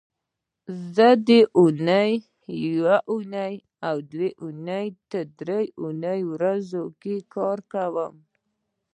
زه د اونۍ یونۍ او دونۍ دې درې ورځو کې کار کوم